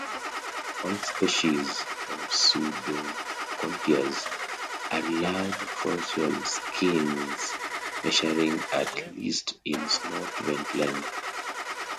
All species of "Pseudoacontias" are large, fossorial skinks, measuring at least in snout-vent length.